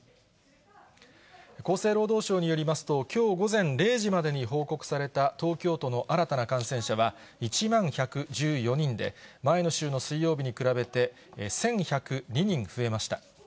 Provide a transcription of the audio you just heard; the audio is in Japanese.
厚生労働省によりますと、きょう午前０時までに報告された東京都の新たな感染者は、１万１１４人で、前の週の水曜日に比べて、１１０２人増えました。